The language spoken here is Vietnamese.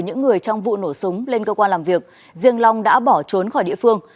những người trong vụ nổ súng lên cơ quan làm việc riêng long đã bỏ trốn khỏi địa phương